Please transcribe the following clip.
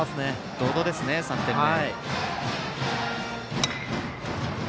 百々ですね、３点目。